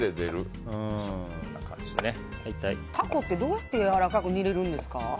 タコってどうやってやわらかく煮るんですか？